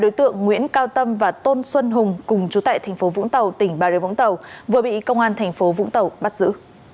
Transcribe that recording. đối tượng nguyễn cao tâm và tôn xuân hùng cùng chú tại tp vũng tàu tỉnh bà rêu vũng tàu vừa bị công an tp vũng tàu bắt giữ